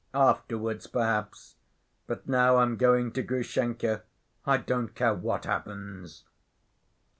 Afterwards, perhaps. But now I'm going to Grushenka. I don't care what happens."